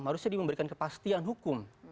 harusnya dia memberikan kepastian hukum